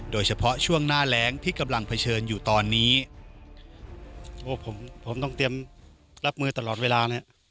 โดยเฉพาะช่วงหน้าแรงที่กำลังเผชิญอยู่ตอนนี้โอ้ผมผมต้องเตรียมรับมือตลอดเวลาเนี่ย